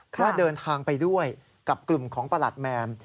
ว่าเดินทางไปด้วยกับกลุ่มของประหลัดแมม